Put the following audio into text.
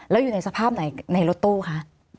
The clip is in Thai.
แล้วอยู่ในสภาพไหนในรถตู้คะ